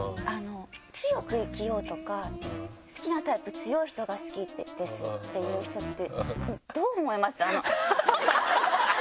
「強く生きよう」とか「好きなタイプ強い人が好きです」って言う人って。